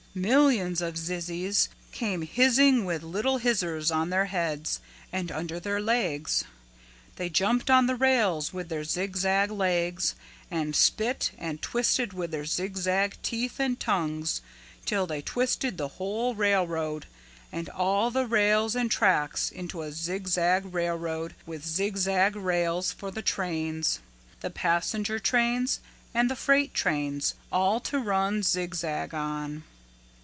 "Millions of zizzies came hizzing with little hizzers on their heads and under their legs. They jumped on the rails with their zigzag legs, and spit and twisted with their zigzag teeth and tongues till they twisted the whole railroad and all the rails and tracks into a zigzag railroad with zigzag rails for the trains, the passenger trains and the freight trains, all to run zigzag on.